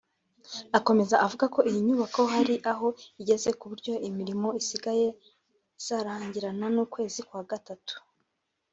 Akomeza avuga ko iyi nyubako hari aho igeze ku buryo imirimo isigaye izarangirana n’ukwezi kwa gatatu